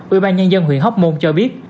ủy ban nhân dân huyện hóc môn cho biết